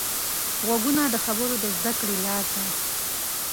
غوږونه د خبرو د زده کړې لاره ده